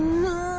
うん。